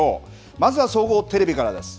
まずは総合テレビからです。